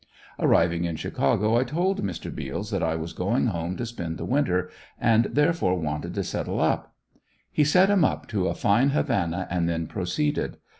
Arriving in Chicago, I told Mr. Beals that I was going home to spend the winter, and therefore wanted to settle up. He set 'em up to a fine Havana and then proceeded.